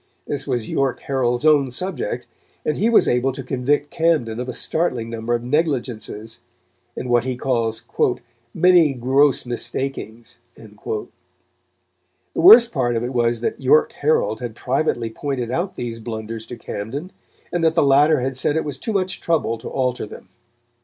This was York Herald's own subject, and he was able to convict Camden of a startling number of negligences, and what he calls "many gross mistakings." The worst part of it was that York Herald had privately pointed out these blunders to Camden, and that the latter had said it was too much trouble to alter them.